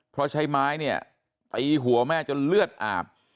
เพราะใช้ไม้เนี่ยตีหัวแม่จนเลือดอาบ